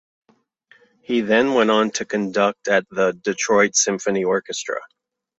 He then went on to conduct at the Detroit Symphony Orchestra.